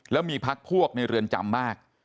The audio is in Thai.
แล้วมีพักพวกในเรือนจำมาก